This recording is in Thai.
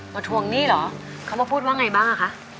มาทวงหนี้เหรอเขามาพูดว่าไงบ้าง